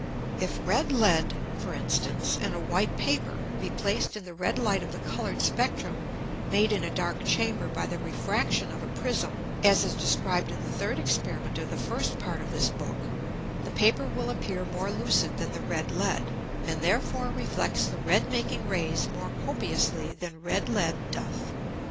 If red Lead, for instance, and a white Paper, be placed in the red Light of the colour'd Spectrum made in a dark Chamber by the Refraction of a Prism, as is described in the third Experiment of the first Part of this Book; the Paper will appear more lucid than the red Lead, and therefore reflects the red making Rays more copiously than red Lead doth.